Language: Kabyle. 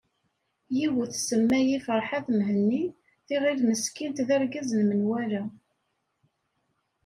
Yiwet tsemma-yi ferḥat Mhenni tɣil meskint d argaz n menwala.